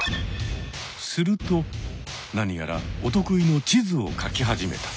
するとなにやらお得意の地図をかき始めた。